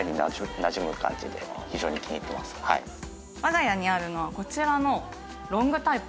我が家にあるのはこちらの。